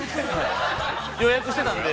予約していたので。